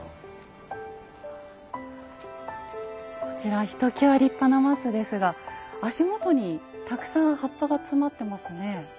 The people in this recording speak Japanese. こちらひときわ立派な松ですが足元にたくさん葉っぱが詰まってますね。